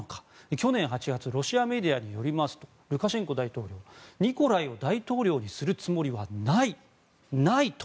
去年８月ロシアメディアによりますとルカシェンコ大統領はニコライを大統領にするつもりはないと。